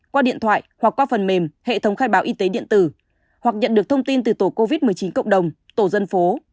qua điện thoại hoặc qua phần mềm hệ thống khai báo y tế điện tử hoặc nhận được thông tin từ tổ covid một mươi chín cộng đồng tổ dân phố